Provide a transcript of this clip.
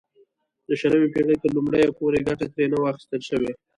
د شلمې پېړۍ تر لومړیو پورې ګټه ترې نه وه اخیستل شوې.